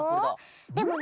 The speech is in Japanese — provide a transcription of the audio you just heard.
でもね